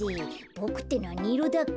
ボクってなにいろだっけ？